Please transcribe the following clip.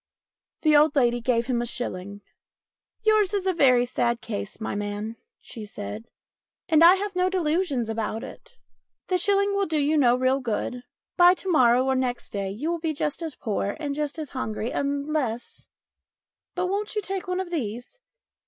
The old lady gave him a shilling. " Yours is a sad case, my man," she said, " and I have no delusions about it. The shilling will do you no real good ; by to morrow or next day you will be just as poor and just as hungry unless But won't you take one of these